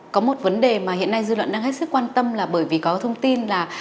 có một vấn đề mà hiện nay dư luận đang hết sức quan tâm là bởi vì có thông tin là